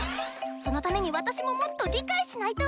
そのために私ももっと理解しないと。